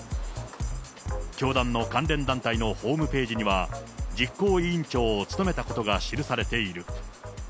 教団の関連団体のホームページには、実行委員長を務めたことが記されている。